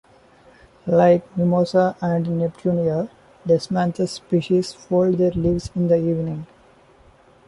Like "Mimosa" and "Neptunia", "Desmanthus" species fold their leaves in the evening.